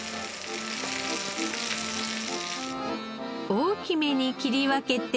大きめに切り分けて。